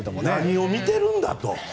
何を見ているんだと。